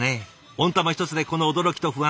温玉一つでこの驚きと不安。